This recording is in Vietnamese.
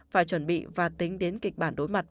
phải chuẩn bị và tính đến kịch bản đối mặt